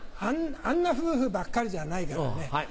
あんな夫婦ばっかりじゃないからね。